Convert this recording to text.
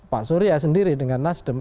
pak surya sendiri dengan nasdem